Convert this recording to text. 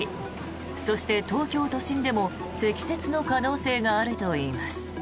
そして、東京都心でも積雪の可能性があるといいます。